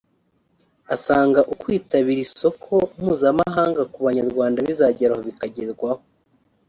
asanga ukwitabira isoko mpuzamahanga ku Banyarwanda bizagera bikagerwaho